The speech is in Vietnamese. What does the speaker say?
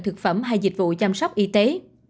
thực phẩm hay dịch vụ chăm sóc y tế